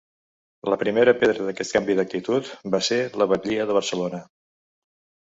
La primera pedra d’aquest canvi d’actitud va ser la batllia de Barcelona.